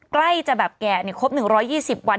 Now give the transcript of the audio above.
ใกล้จะแบบแก่ครบ๑๒๐วัน